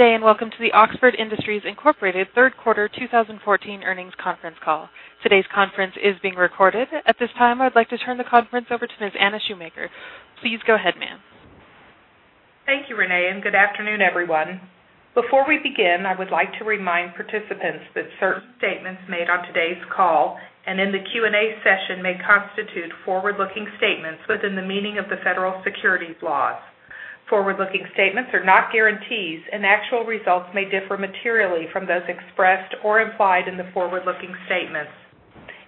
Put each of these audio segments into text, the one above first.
Good day, and welcome to the Oxford Industries, Inc. third quarter 2014 earnings conference call. Today's conference is being recorded. At this time, I would like to turn the conference over to Ms. Anne Shoemaker. Please go ahead, ma'am. Thank you, Renee, good afternoon, everyone. Before we begin, I would like to remind participants that certain statements made on today's call and in the Q&A session may constitute forward-looking statements within the meaning of the federal securities laws. Forward-looking statements are not guarantees, and actual results may differ materially from those expressed or implied in the forward-looking statements.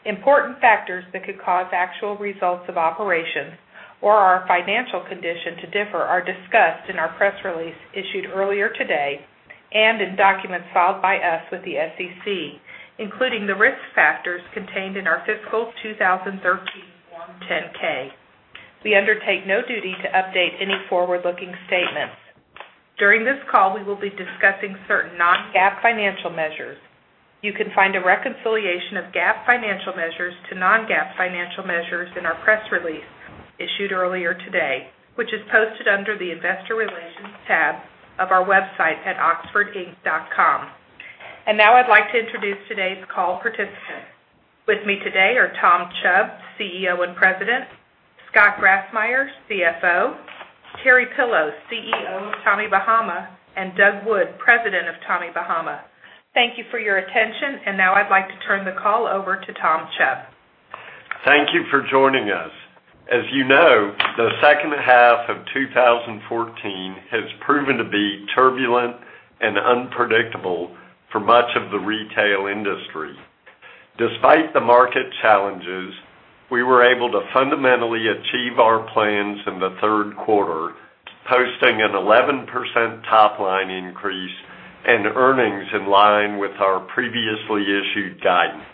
Important factors that could cause actual results of operations or our financial condition to differ are discussed in our press release issued earlier today and in documents filed by us with the SEC, including the risk factors contained in our fiscal 2013 Form 10-K. We undertake no duty to update any forward-looking statements. During this call, we will be discussing certain non-GAAP financial measures. You can find a reconciliation of GAAP financial measures to non-GAAP financial measures in our press release issued earlier today, which is posted under the Investor Relations tab of our website at oxfordinc.com. Now I'd like to introduce today's call participants. With me today are Tom Chubb, CEO and President, Scott Grassmyer, CFO, Terry Pillow, CEO of Tommy Bahama, and Doug Wood, President of Tommy Bahama. Thank you for your attention, now I'd like to turn the call over to Tom Chubb. Thank you for joining us. As you know, the second half of 2014 has proven to be turbulent and unpredictable for much of the retail industry. Despite the market challenges, we were able to fundamentally achieve our plans in the third quarter, posting an 11% top-line increase, earnings in line with our previously issued guidance.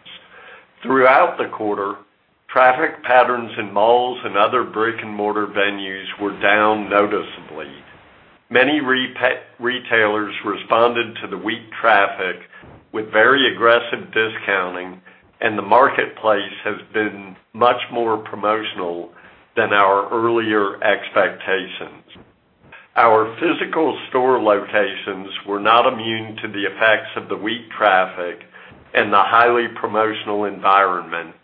Throughout the quarter, traffic patterns in malls and other brick-and-mortar venues were down noticeably. Many retailers responded to the weak traffic with very aggressive discounting, the marketplace has been much more promotional than our earlier expectations. Our physical store locations were not immune to the effects of the weak traffic and the highly promotional environment,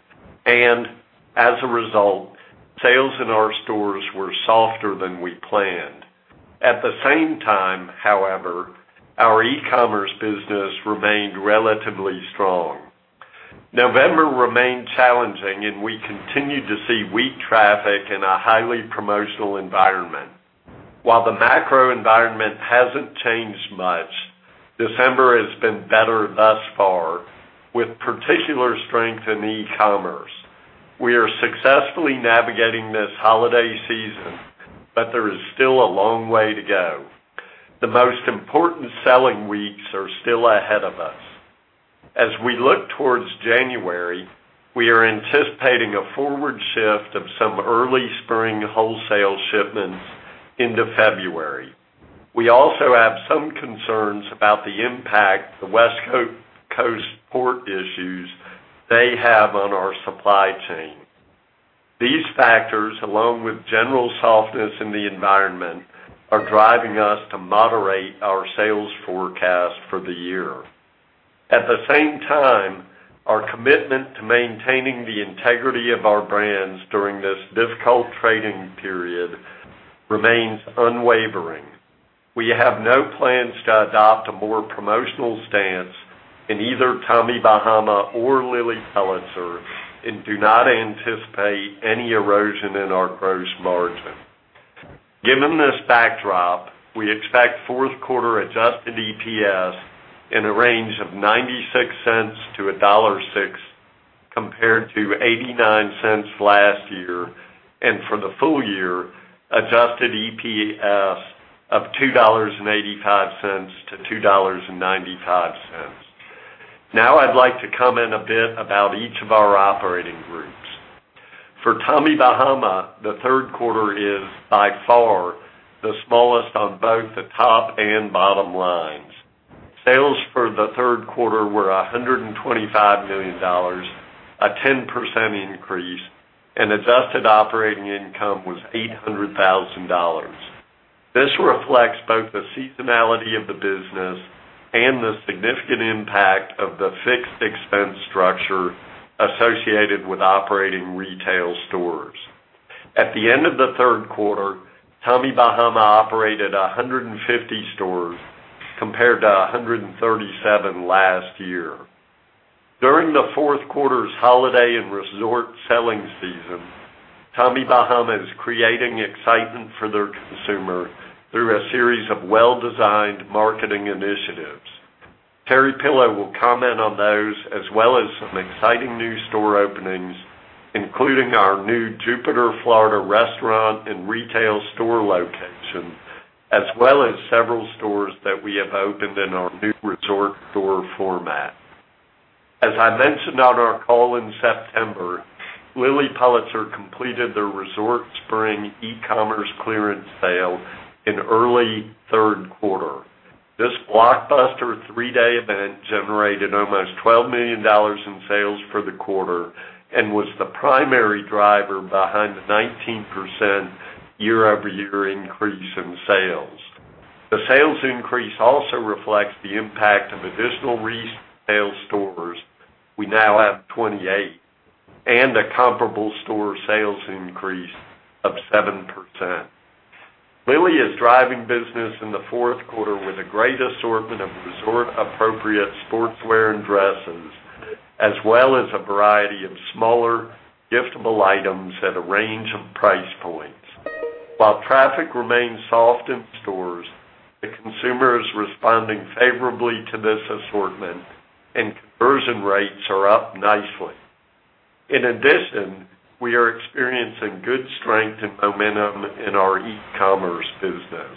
as a result, sales in our stores were softer than we planned. At the same time, however, our e-commerce business remained relatively strong. November remained challenging, and we continued to see weak traffic and a highly promotional environment. While the macro environment hasn't changed much, December has been better thus far, with particular strength in e-commerce. We are successfully navigating this holiday season, but there is still a long way to go. The most important selling weeks are still ahead of us. As we look towards January, we are anticipating a forward shift of some early spring wholesale shipments into February. We also have some concerns about the impact the West Coast port issues may have on our supply chain. These factors, along with general softness in the environment, are driving us to moderate our sales forecast for the year. At the same time, our commitment to maintaining the integrity of our brands during this difficult trading period remains unwavering. We have no plans to adopt a more promotional stance in either Tommy Bahama or Lilly Pulitzer and do not anticipate any erosion in our gross margin. Given this backdrop, we expect fourth quarter adjusted EPS in a range of $0.96-$1.06, compared to $0.89 last year, and for the full year, adjusted EPS of $2.85-$2.95. Now I'd like to comment a bit about each of our operating groups. For Tommy Bahama, the third quarter is by far the smallest on both the top and bottom lines. Sales for the third quarter were $125 million, a 10% increase, and adjusted operating income was $800,000. This reflects both the seasonality of the business and the significant impact of the fixed expense structure associated with operating retail stores. At the end of the third quarter, Tommy Bahama operated 150 stores, compared to 137 last year. During the fourth quarter's holiday and resort selling season, Tommy Bahama is creating excitement for their consumer through a series of well-designed marketing initiatives. Terry Pillow will comment on those, as well as some exciting new store openings, including our new Jupiter, Florida, restaurant and retail store location, as well as several stores that we have opened in our new resort store format. As I mentioned on our call in September, Lilly Pulitzer completed their Resort Spring e-commerce clearance sale in early third quarter. This blockbuster three-day event generated almost $12 million in sales for the quarter. It was the primary driver behind the 19% year-over-year increase in sales. The sales increase also reflects the impact of additional retail stores. We now have 28, and a comparable store sales increase of 7%. Lilly is driving business in the fourth quarter with a great assortment of resort-appropriate sportswear and dresses, as well as a variety of smaller giftable items at a range of price points. While traffic remains soft in stores, the consumer is responding favorably to this assortment, and conversion rates are up nicely. In addition, we are experiencing good strength and momentum in our e-commerce business.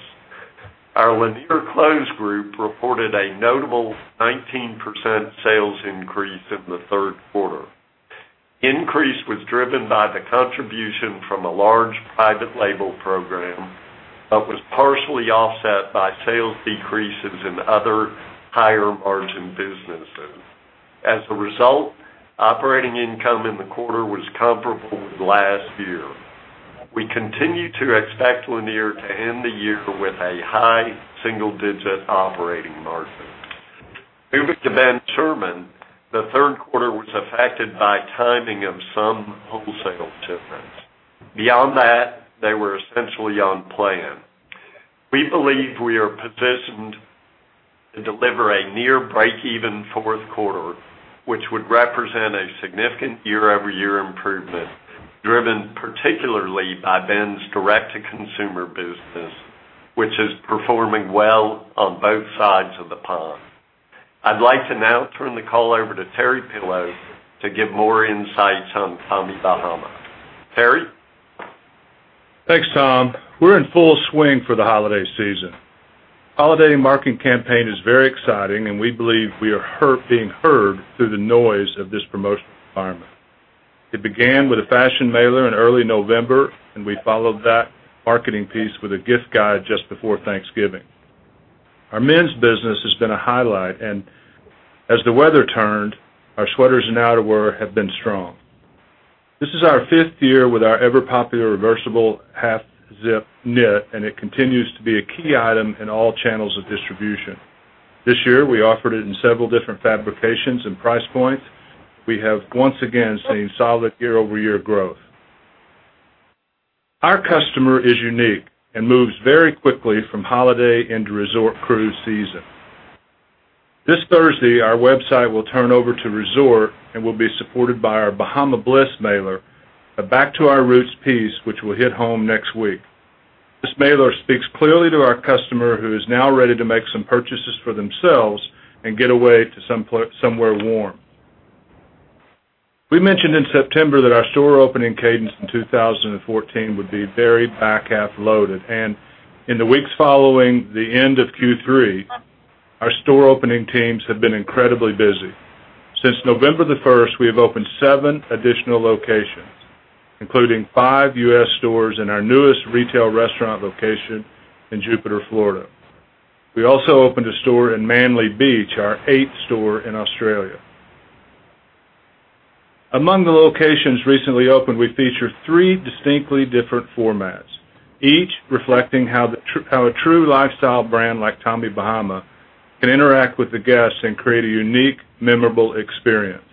Our Lanier Clothes group reported a notable 19% sales increase in the third quarter. The increase was driven by the contribution from a large private label program, but was partially offset by sales decreases in other higher-margin businesses. As a result, operating income in the quarter was comparable to last year. We continue to expect Lanier to end the year with a high single-digit operating margin. Moving to Ben Sherman, the third quarter was affected by timing of some wholesale shipments. Beyond that, they were essentially on plan. We believe we are positioned to deliver a near breakeven fourth quarter, which would represent a significant year-over-year improvement, driven particularly by Ben's direct-to-consumer business, which is performing well on both sides of the pond. I'd like to now turn the call over to Terry Pillow to give more insights on Tommy Bahama. Terry? Thanks, Tom. We're in full swing for the holiday season. Holiday marketing campaign is very exciting. We believe we are being heard through the noise of this promotional environment. It began with a fashion mailer in early November. We followed that marketing piece with a gift guide just before Thanksgiving. Our men's business has been a highlight. As the weather turned, our sweaters and outerwear have been strong. This is our fifth year with our ever-popular reversible half-zip knit, and it continues to be a key item in all channels of distribution. This year, we offered it in several different fabrications and price points. We have once again seen solid year-over-year growth. Our customer is unique and moves very quickly from holiday into resort cruise season. This Thursday, our website will turn over to resort and will be supported by our Bahama Bliss mailer, a back to our roots piece which will hit home next week. This mailer speaks clearly to our customer who is now ready to make some purchases for themselves and get away to somewhere warm. We mentioned in September that our store opening cadence in 2014 would be very back-half loaded. In the weeks following the end of Q3, our store opening teams have been incredibly busy. Since November the first, we have opened seven additional locations, including five U.S. stores and our newest retail restaurant location in Jupiter, Florida. We also opened a store in Manly Beach, our eighth store in Australia. Among the locations recently opened, we feature three distinctly different formats, each reflecting how a true lifestyle brand like Tommy Bahama can interact with the guests and create a unique, memorable experience.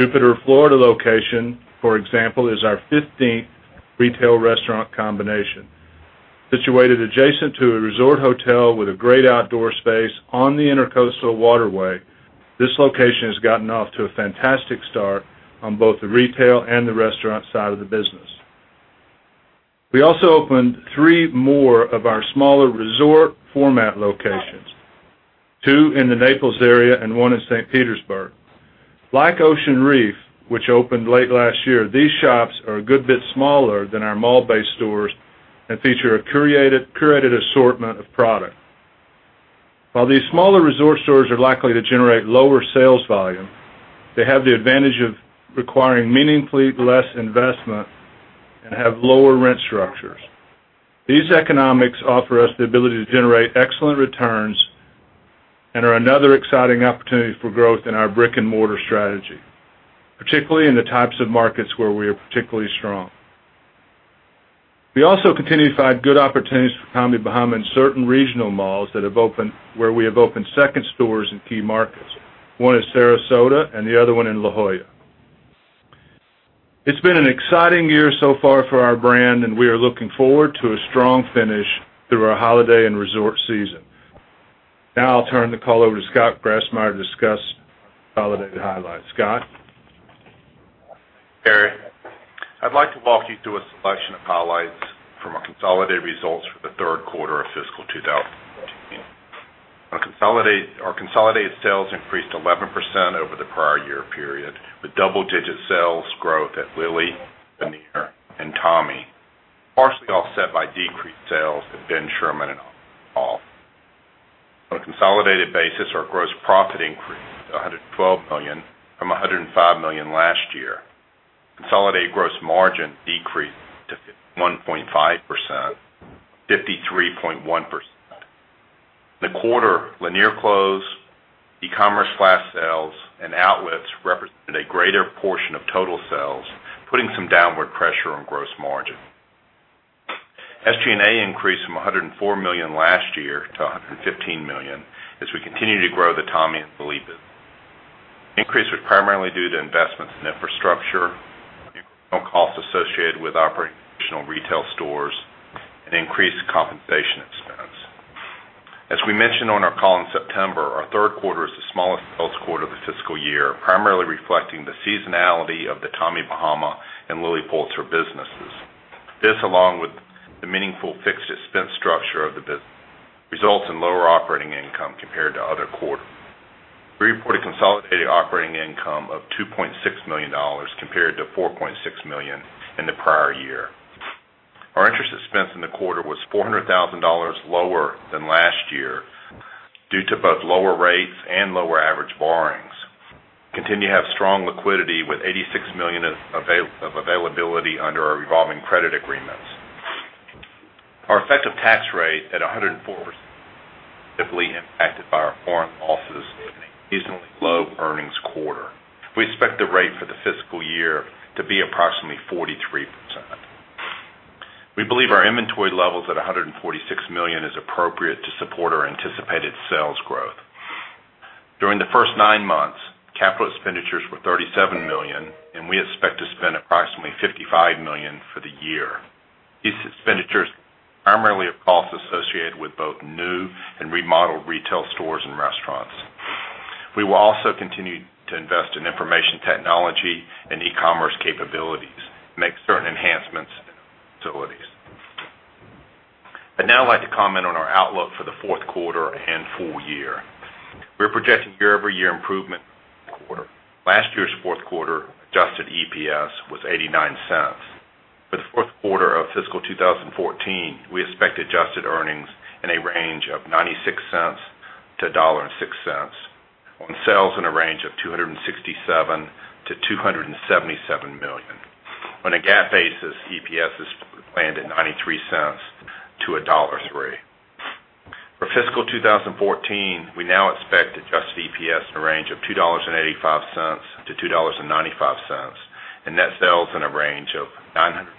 Jupiter, Florida location, for example, is our 15th retail restaurant combination. Situated adjacent to a resort hotel with a great outdoor space on the Intracoastal Waterway, this location has gotten off to a fantastic start on both the retail and the restaurant side of the business. We also opened three more of our smaller resort format locations, two in the Naples area and one in St. Petersburg. Like Ocean Reef, which opened late last year, these shops are a good bit smaller than our mall-based stores and feature a curated assortment of product. While these smaller resort stores are likely to generate lower sales volume, they have the advantage of requiring meaningfully less investment and have lower rent structures. These economics offer us the ability to generate excellent returns and are another exciting opportunity for growth in our brick-and-mortar strategy, particularly in the types of markets where we are particularly strong. We also continue to find good opportunities for Tommy Bahama in certain regional malls where we have opened second stores in key markets. One in Sarasota and the other one in La Jolla. It has been an exciting year so far for our brand, and we are looking forward to a strong finish through our holiday and resort season. I will turn the call over to Scott Grassmyer to discuss holiday highlights. Scott? Terry, I would like to walk you through a selection of highlights from our consolidated results for the third quarter of fiscal 2015. Our consolidated sales increased 11% over the prior year period, with double-digit sales growth at Lilly, Lanier, and Tommy, partially offset by decreased sales at Ben Sherman and all. On a consolidated basis, our gross profit increased to $112 million from $105 million last year. Consolidated gross margin 1.5%, 53.1%. In the quarter, Lanier Clothes, e-commerce flash sales, and outlets represented a greater portion of total sales, putting some downward pressure on gross margin. SG&A increased from $104 million last year to $115 million as we continue to grow the Tommy. The increase was primarily due to investments in infrastructure, incremental costs associated with operating additional retail stores, and increased compensation expense. As we mentioned on our call in September, our third quarter is the smallest sales quarter of the fiscal year, primarily reflecting the seasonality of the Tommy Bahama and Lilly Pulitzer businesses. This, along with the meaningful fixed expense structure of the business, results in lower operating income compared to other quarters. We reported consolidated operating income of $2.6 million compared to $4.6 million in the prior year. Our interest expense in the quarter was $400,000 lower than last year due to both lower rates and lower average borrowings. We continue to have strong liquidity with $86 million of availability under our revolving credit agreements. Our effective tax rate at 104% is simply impacted by our foreign offices in a reasonably low earnings quarter. We expect the rate for the fiscal year to be approximately 43%. We believe our inventory levels at $146 million is appropriate to support our anticipated sales growth. During the first nine months, capital expenditures were $37 million, and we expect to spend approximately $55 million for the year. These expenditures primarily are costs associated with both new and remodeled retail stores and restaurants. We will also continue to invest in information technology and e-commerce capabilities to make certain enhancements in our facilities. I would now like to comment on our outlook for the fourth quarter and full year. We are projecting year-over-year improvement in the quarter. Last year's fourth quarter adjusted EPS was $0.89. For the fourth quarter of fiscal 2014, we expect adjusted earnings in a range of $0.96-$1.06 on sales in a range of $267 million-$277 million. On a GAAP basis, EPS is planned at $0.93-$1.03. For fiscal 2014, we now expect adjusted EPS in a range of $2.85-$2.95 and net sales in a range of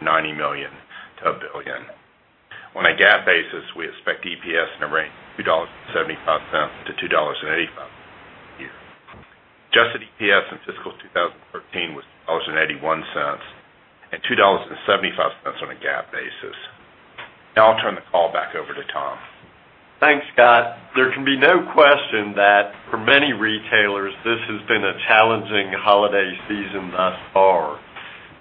$990 million-$1 billion. On a GAAP basis, we expect EPS in a range of $2.75-$2.85 a year. Adjusted EPS in fiscal 2013 was $2.81 and $2.75 on a GAAP basis. I'll turn the call back over to Tom. Thanks, Scott. There can be no question that for many retailers, this has been a challenging holiday season thus far.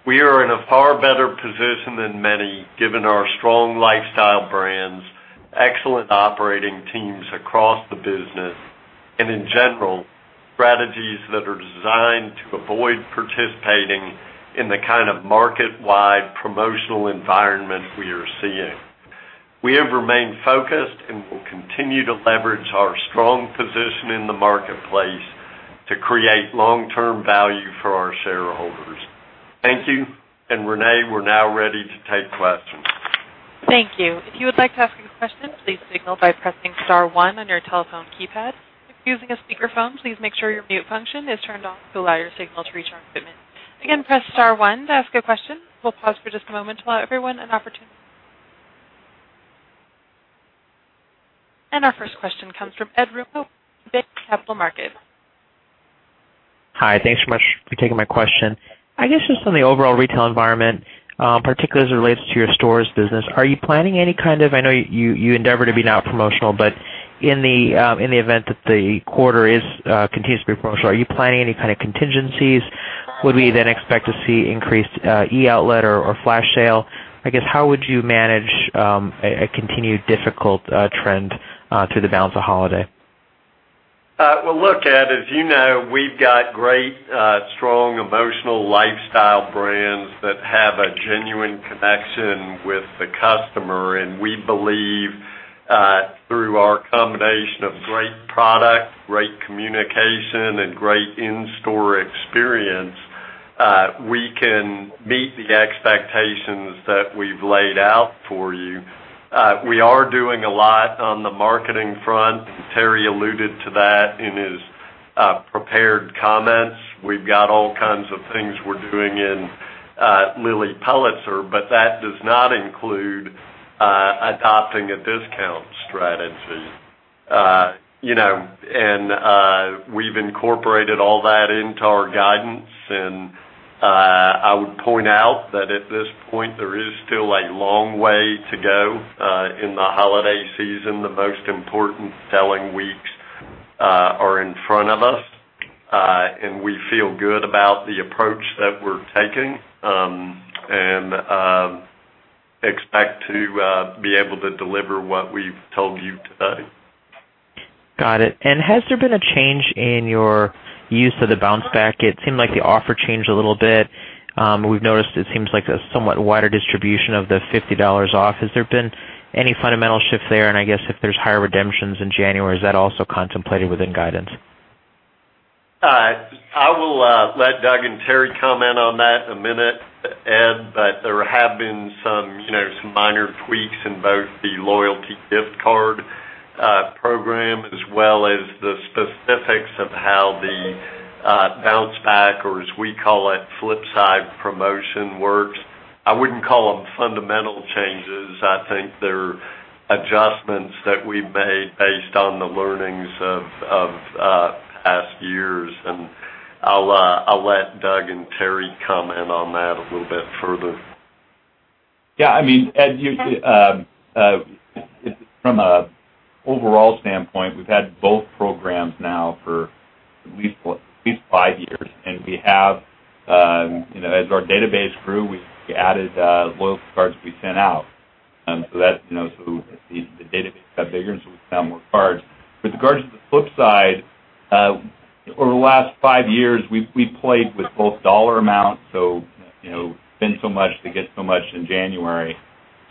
We are in a far better position than many, given our strong lifestyle brands, excellent operating teams across the business, and in general, strategies that are designed to avoid participating in the kind of market-wide promotional environment we are seeing. We have remained focused and will continue to leverage our strong position in the marketplace to create long-term value for our shareholders. Thank you, Renee, we're now ready to take questions. Thank you. If you would like to ask a question, please signal by pressing *1 on your telephone keypad. If using a speakerphone, please make sure your mute function is turned off to allow your signal to reach our equipment. Again, press *1 to ask a question. We'll pause for just a moment to allow everyone an opportunity. Our first question comes from Ed Rumpf, BB&T Capital Markets. Hi. Thanks so much for taking my question. I guess just on the overall retail environment, particularly as it relates to your stores business, I know you endeavor to be not promotional, but in the event that the quarter continues to be promotional, are you planning any kind of contingencies? Would we then expect to see increased e-outlet or flash sale? I guess, how would you manage a continued difficult trend through the balance of holiday? Well, look, Ed, as you know, we've got great, strong, emotional lifestyle brands that have a genuine connection with the customer. We believe through our combination of great product, great communication, and great in-store experience, we can meet the expectations that we've laid out for you. We are doing a lot on the marketing front. Terry alluded to that in his prepared comments. We've got all kinds of things we're doing in Lilly Pulitzer, but that does not include adopting a discount strategy. We've incorporated all that into our guidance. I would point out that at this point, there is still a long way to go in the holiday season. The most important selling weeks are in front of us. We feel good about the approach that we're taking and expect to be able to deliver what we've told you today. Got it. Has there been a change in your use of the bounce back? It seemed like the offer changed a little bit. We've noticed it seems like a somewhat wider distribution of the $50 off. Has there been any fundamental shift there? I guess if there's higher redemptions in January, is that also contemplated within guidance? I will let Doug and Terry comment on that in a minute, Ed, but there have been some minor tweaks in both the loyalty gift card program as well as the specifics of how the bounce back or as we call it, Flip Side promotion works. I wouldn't call them fundamental changes. I think they're adjustments that we've made based on the learnings of past years. I'll let Doug and Terry comment on that a little bit further. Yeah. Ed, from an overall standpoint, we've had both programs now for at least five years. As our database grew, we added loyalty cards we sent out. The database got bigger, so we sent out more cards. With regards to the Flip Side, over the last five years, we played with both dollar amounts, so spend so much to get so much in January.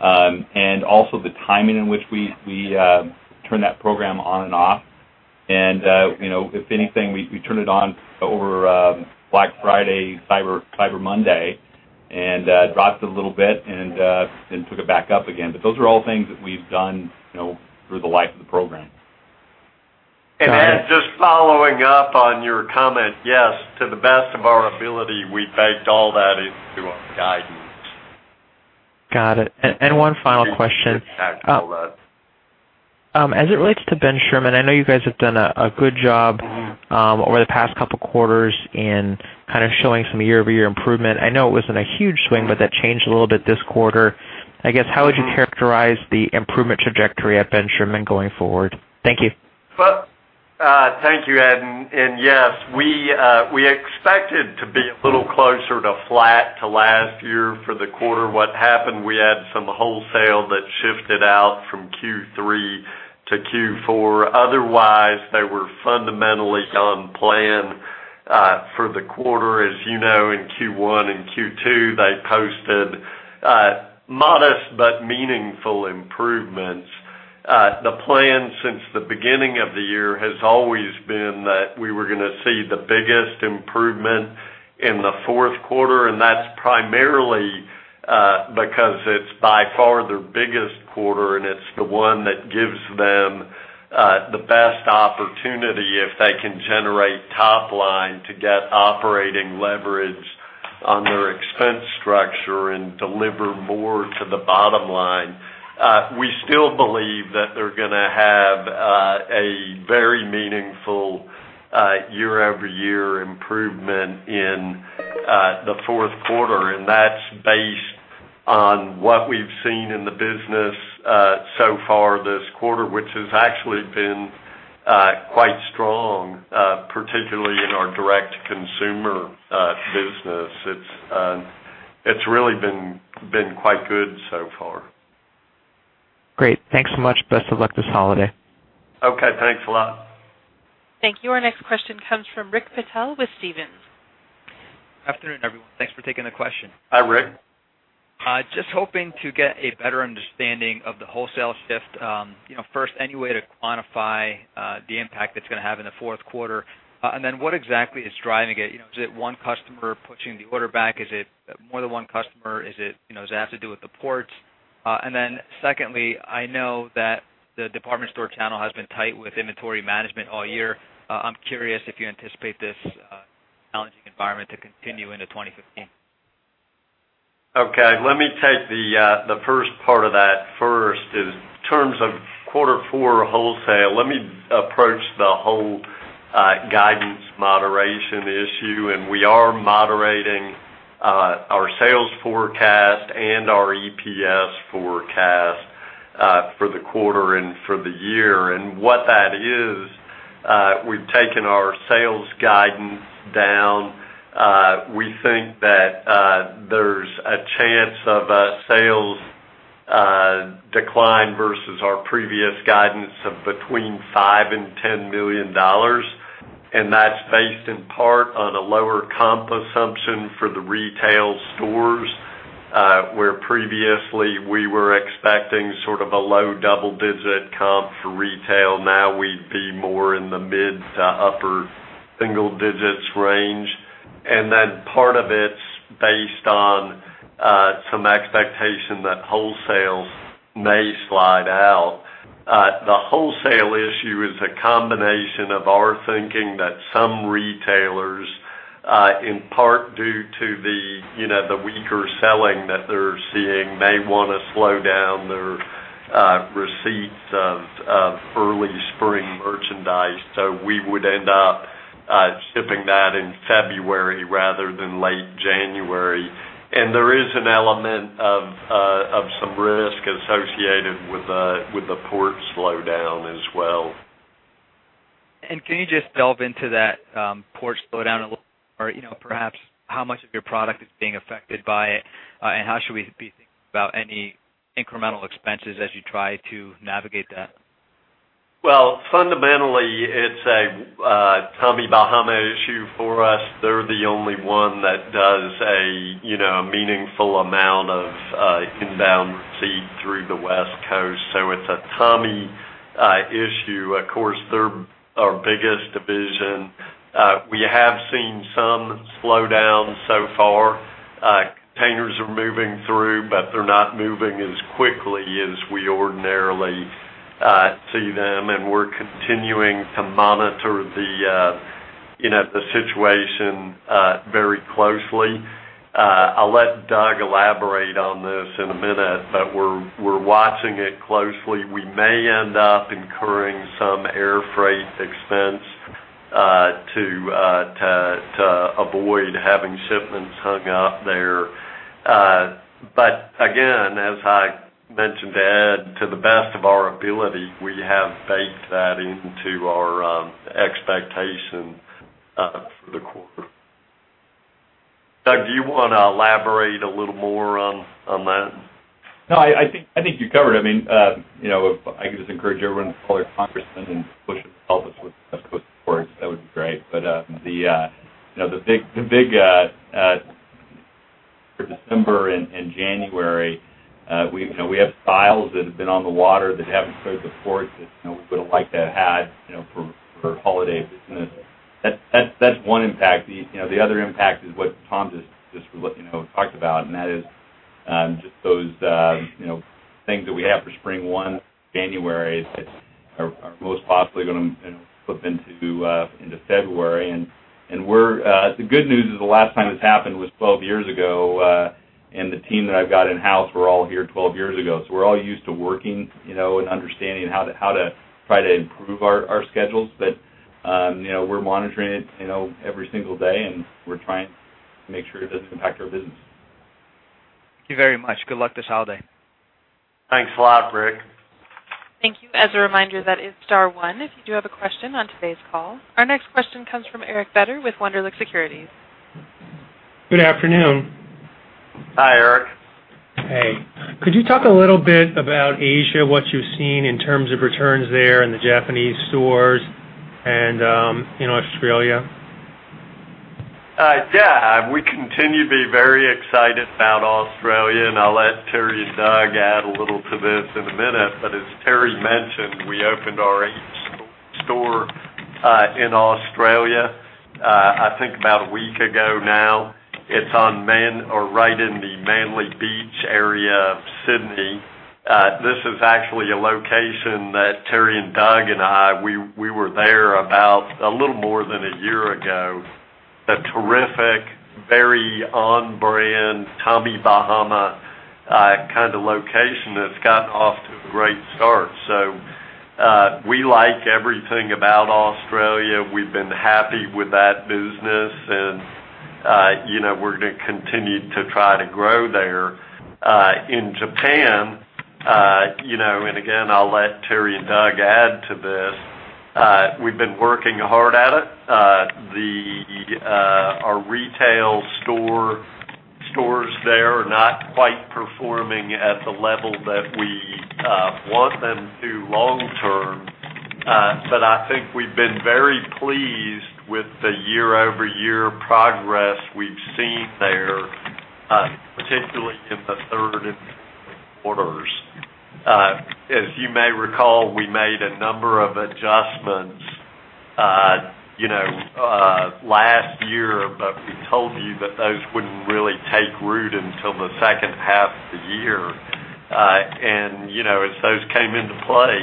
Also the timing in which we turn that program on and off. If anything, we turn it on over Black Friday, Cyber Monday, and dropped a little bit and took it back up again. Those are all things that we've done through the life of the program. Ed, just following up on your comment, yes, to the best of our ability, we baked all that into our guidance. Got it. One final question. We baked all that. As it relates to Ben Sherman, I know you guys have done a good job over the past couple quarters in showing some year-over-year improvement. I know it wasn't a huge swing, but that changed a little bit this quarter. I guess, how would you characterize the improvement trajectory at Ben Sherman going forward? Thank you. Thank you, Ed. Yes, we expected to be a little closer to flat to last year for the quarter. What happened, we had some wholesale that shifted out from Q3 to Q4. Otherwise, they were fundamentally on plan for the quarter. As you know, in Q1 and Q2, they posted modest but meaningful improvements. The plan since the beginning of the year has always been that we were going to see the biggest improvement in the fourth quarter. That's primarily because it's by far their biggest quarter. It's the one that gives them the best opportunity if they can generate top line to get operating leverage on their expense structure and deliver more to the bottom line. We still believe that they're going to have a very meaningful year-over-year improvement in the fourth quarter. That's based on what we've seen in the business so far this quarter, which has actually been quite strong, particularly in our direct consumer business. It's really been quite good so far. Great. Thanks so much. Best of luck this holiday. Okay, thanks a lot. Thank you. Our next question comes from Rick Patel with Stephens. Afternoon, everyone. Thanks for taking the question. Hi, Rick. Just hoping to get a better understanding of the wholesale shift. First, any way to quantify the impact it's going to have in the fourth quarter? What exactly is driving it? Is it one customer pushing the order back? Is it more than one customer? Does it have to do with the ports? Secondly, I know that the department store channel has been tight with inventory management all year. I'm curious if you anticipate this challenging environment to continue into 2015. Okay. Let me take the first part of that first. In terms of quarter four wholesale, let me approach the whole guidance moderation issue. We are moderating our sales forecast and our EPS forecast for the quarter and for the year. What that is, we've taken our sales guidance down. We think that there's a chance of a sales decline versus our previous guidance of between $5 million and $10 million. That's based in part on a lower comp assumption for the retail stores, where previously we were expecting sort of a low double-digit comp for retail. Now we'd be more in the mid to upper single digits range. Part of it's based on some expectation that wholesales may slide out. The wholesale issue is a combination of our thinking that some retailers, in part due to the weaker selling that they're seeing, may want to slow down their receipts of early spring merchandise. We would end up shipping that in February rather than late January. There is an element of some risk associated with the port slowdown as well. Can you just delve into that port slowdown a little? Perhaps how much of your product is being affected by it? How should we be thinking about any incremental expenses as you try to navigate that? Well, fundamentally, it's a Tommy Bahama issue for us. They're the only one that does a meaningful amount of inbound coast. It's a Tommy issue. Of course, they're our biggest division. We have seen some slowdown so far. Containers are moving through. They're not moving as quickly as we ordinarily see them. We're continuing to monitor the situation very closely. I'll let Doug elaborate on this in a minute. We're watching it closely. We may end up incurring some air freight expense to avoid having shipments hung up there. Again, as I mentioned to Ed, to the best of our ability, we have baked that into our expectation for the quarter. Doug, do you want to elaborate a little more on that? No, I think you're covered. If I could just encourage everyone to call your congressman and push to help us with the West Coast ports, that would be great. The big for December and January, we have styles that have been on the water that haven't hit the ports that we would've liked to have had for holiday business. That's one impact. The other impact is what Tom just talked about, and that is just those things that we have for spring one, January, that are most possibly going to flip into February. The good news is the last time this happened was 12 years ago, and the team that I've got in-house were all here 12 years ago. We're all used to working and understanding how to try to improve our schedules. We're monitoring it every single day, and we're trying to make sure it doesn't impact our business. Thank you very much. Good luck this holiday. Thanks a lot, Rick. Thank you. As a reminder, that is star one if you do have a question on today's call. Our next question comes from Eric Beder with Wunderlich Securities. Good afternoon. Hi, Eric. Hey. Could you talk a little bit about Asia, what you've seen in terms of returns there in the Japanese stores and in Australia? Yeah. We continue to be very excited about Australia. I'll let Terry and Doug add a little to this in a minute. As Terry mentioned, we opened our eighth store in Australia, I think about a week ago now. It's right in the Manly Beach area of Sydney. This is actually a location that Terry and Doug and I, we were there about a little more than a year ago. A terrific, very on-brand Tommy Bahama kind of location that's gotten off to a great start. We like everything about Australia. We've been happy with that business, and we're going to continue to try to grow there. In Japan, again, I'll let Terry and Doug add to this, we've been working hard at it. Our retail stores there are not quite performing at the level that we want them to long term. I think we've been very pleased with the year-over-year progress we've seen there, particularly in the third and fourth quarters. As you may recall, we made a number of adjustments last year, but we told you that those wouldn't really take root until the second half of the year. As those came into play,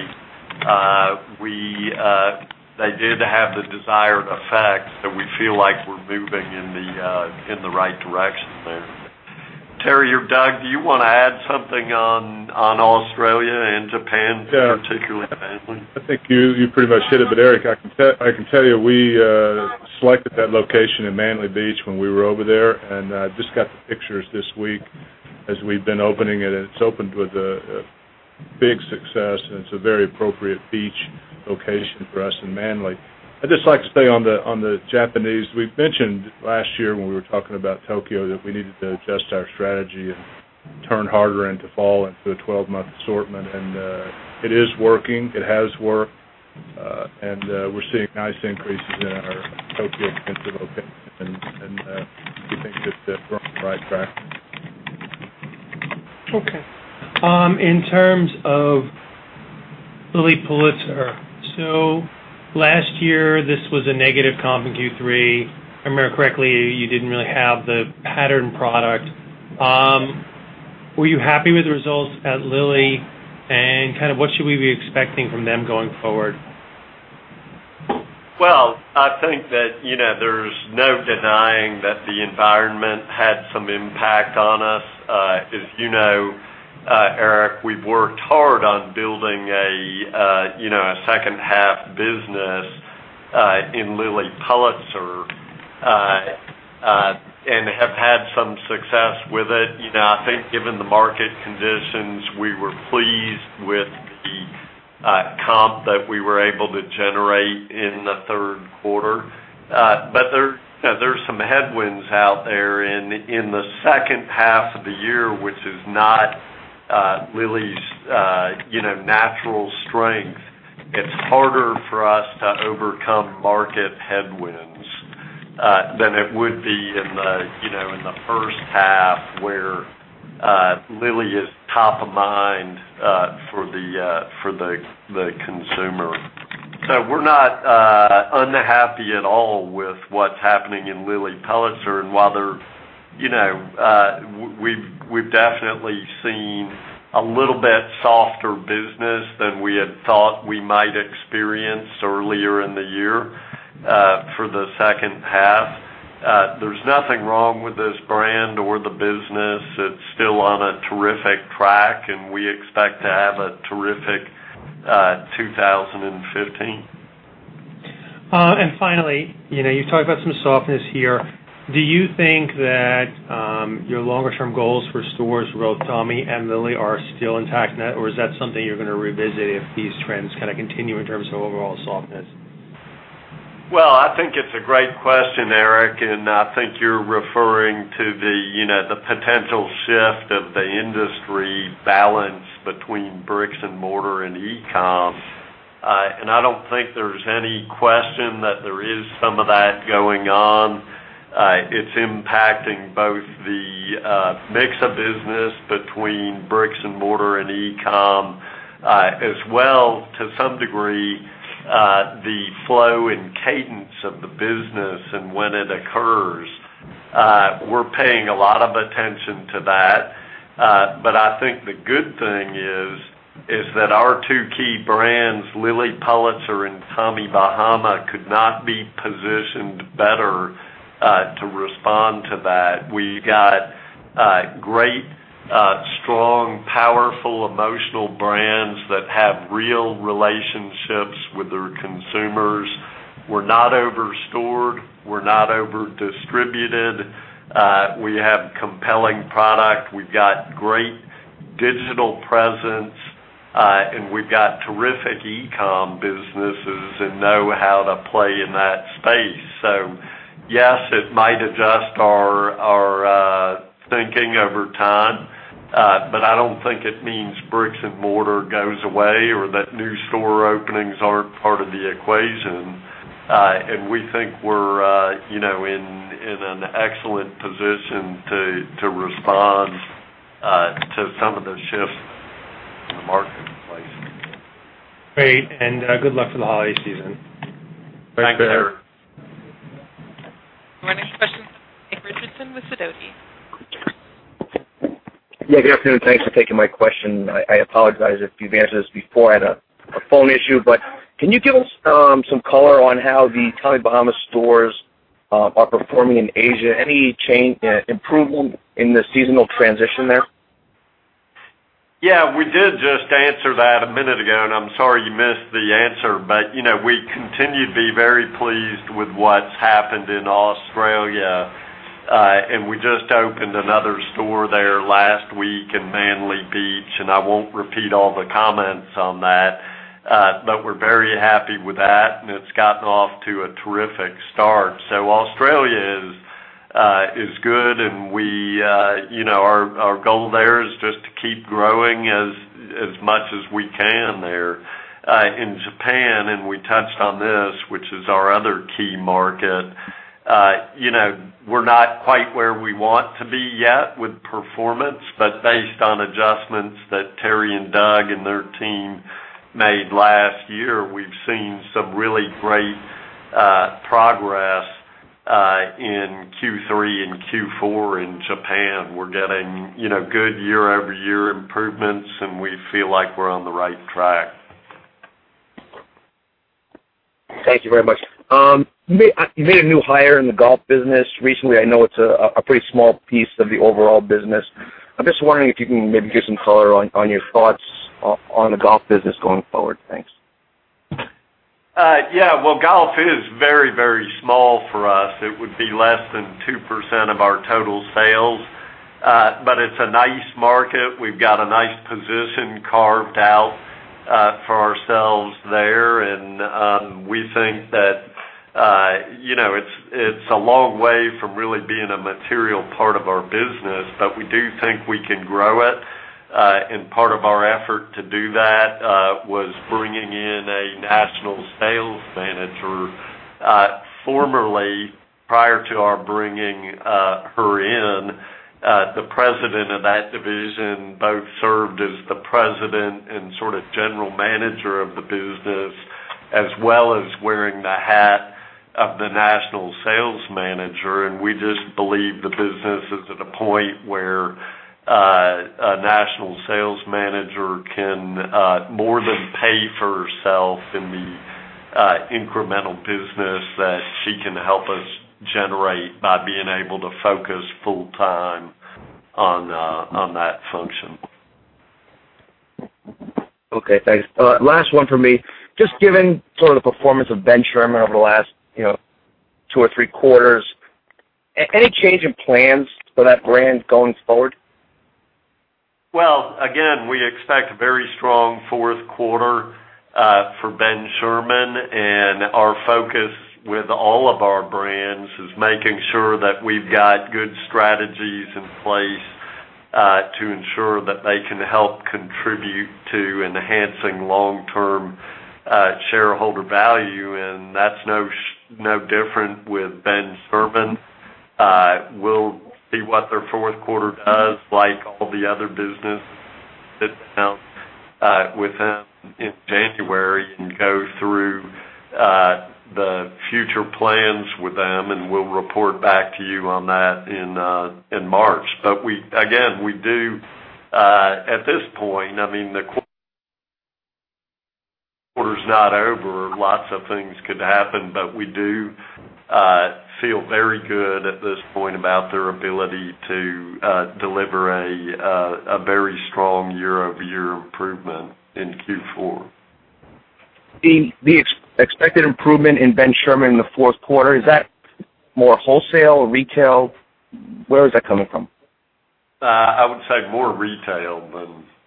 they did have the desired effect, so we feel like we're moving in the right direction there. Terry or Doug, do you want to add something on Australia and Japan particularly, Manly? I think you pretty much hit it. Eric, I can tell you, we selected that location in Manly Beach when we were over there, and I just got the pictures this week as we've been opening it, and it's opened with a big success, and it's a very appropriate beach location for us in Manly. I'd just like to say on the Japanese, we mentioned last year when we were talking about Tokyo that we needed to adjust our strategy and turn harder into fall and to a 12-month assortment. It is working. It has worked. We're seeing nice increases in our Tokyo consumer location, and we think that they're on the right track. Okay. In terms of Lilly Pulitzer, so last year this was a negative comp in Q3. If I remember correctly, you didn't really have the pattern product. Were you happy with the results at Lilly, and what should we be expecting from them going forward? Well, I think that there's no denying that the environment had some impact on us. As you know, Eric, we've worked hard on building a second half business in Lilly Pulitzer and have had some success with it. I think given the market conditions, we were pleased with the comp that we were able to generate in the third quarter. There's some headwinds out there in the second half of the year, which is not Lilly's natural strength. It's harder for us to overcome market headwinds than it would be in the first half, where Lilly is top of mind for the consumer. We're not unhappy at all with what's happening in Lilly Pulitzer. While we've definitely seen a little bit softer business than we had thought we might experience earlier in the year for the second half, there's nothing wrong with this brand or the business. It's still on a terrific track, and we expect to have a terrific 2015. Finally, you talked about some softness here. Do you think that your longer-term goals for stores, both Tommy and Lilly, are still intact now? Is that something you're going to revisit if these trends continue in terms of overall softness? Well, I think it's a great question, Eric, I think you're referring to the potential shift of the industry balance between bricks and mortar and e-com. I don't think there's any question that there is some of that going on. It's impacting both the mix of business between bricks and mortar and e-com, as well, to some degree, the flow and cadence of the business and when it occurs. We're paying a lot of attention to that. I think the good thing is that our two key brands, Lilly Pulitzer and Tommy Bahama, could not be positioned better to respond to that. We've got great, strong, powerful, emotional brands that have real relationships with their consumers. We're not over-stored. We're not over-distributed. We have compelling product. We've got great digital presence. We've got terrific e-com businesses and know how to play in that space. Yes, it might adjust our thinking over time, but I don't think it means bricks and mortar goes away or that new store openings aren't part of the equation. We think we're in an excellent position to respond to some of those shifts in the marketplace. Great. Good luck for the holiday season. Thanks, Eric. Our next question, Mike Richardson with Sidoti. Yeah, good afternoon. Thanks for taking my question. I apologize if you've answered this before. I had a phone issue. Can you give us some color on how the Tommy Bahama stores are performing in Asia? Any improvement in the seasonal transition there? Yeah, we did just answer that a minute ago, and I'm sorry you missed the answer. We continue to be very pleased with what's happened in Australia. We just opened another store there last week in Manly Beach, and I won't repeat all the comments on that. We're very happy with that, and it's gotten off to a terrific start. Australia is good, and our goal there is just to keep growing as much as we can there. In Japan, and we touched on this, which is our other key market, we're not quite where we want to be yet with performance. Based on adjustments that Terry and Doug and their team made last year, we've seen some really great progress in Q3 and Q4 in Japan. We're getting good year-over-year improvements, and we feel like we're on the right track. Thank you very much. You made a new hire in the golf business recently. I know it's a pretty small piece of the overall business. I'm just wondering if you can maybe give some color on your thoughts on the golf business going forward. Thanks. Yeah. Well, golf is very, very small for us. It would be less than 2% of our total sales. It's a nice market. We've got a nice position carved out for ourselves there, and we think that it's a long way from really being a material part of our business. We do think we can grow it. Part of our effort to do that was bringing in a national sales manager. Formerly, prior to our bringing her in, the president of that division both served as the president and sort of general manager of the business, as well as wearing the hat of the national sales manager. We just believe the business is at a point where a national sales manager can more than pay for herself in the incremental business that she can help us generate by being able to focus full time on that function. Okay, thanks. Last one from me. Just given the performance of Ben Sherman over the last two or three quarters, any change in plans for that brand going forward? Well, again, we expect very strong fourth quarter for Ben Sherman, and our focus with all of our brands is making sure that we've got good strategies in place to ensure that they can help contribute to enhancing long-term shareholder value, and that's no different with Ben Sherman. We'll see what their fourth quarter does, like all the other business sit downs with them in January and go through the future plans with them, and we'll report back to you on that in March. Again, at this point, the quarter's not over. Lots of things could happen, but we do feel very good at this point about their ability to deliver a very strong year-over-year improvement in Q4. The expected improvement in Ben Sherman in the fourth quarter, is that more wholesale or retail? Where is that coming from? I would say more retail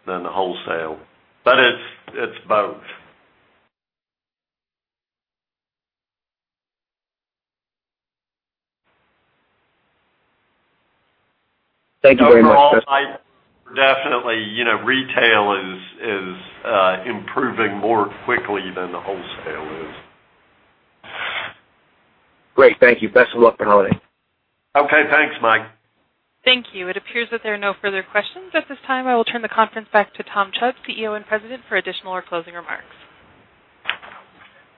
than wholesale. It's both. Thank you very much. Overall, definitely, retail is improving more quickly than the wholesale is. Great. Thank you. Best of luck for the holiday. Okay. Thanks, Mike. Thank you. It appears that there are no further questions at this time. I will turn the conference back to Tom Chubb, CEO and President, for additional or closing remarks.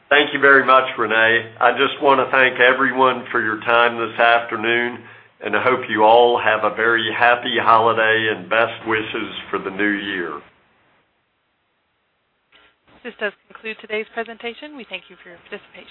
Thank you very much, Renee. I just want to thank everyone for your time this afternoon. I hope you all have a very happy holiday, best wishes for the new year. This does conclude today's presentation. We thank you for your participation.